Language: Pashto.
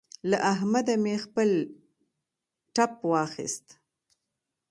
له احمده مې خپل ټپ واخيست.